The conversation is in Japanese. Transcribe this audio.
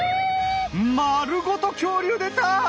丸ごと恐竜出た！